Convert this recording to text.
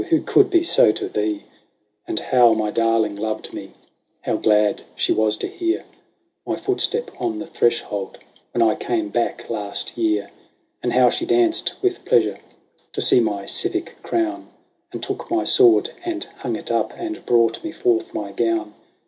Who could be so to thee ? And how my darling loved me ! How glad she was to hear My footstep on the threshold when I came back last year ! And how she danced with pleasure to see my civic crown, And took my sword, and hung it up, and brought me forth my gown